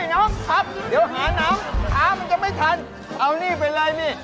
น้องครับเดี๋ยวหาน้ำหามันจะไม่ทันเอานี่ไปเลยนี่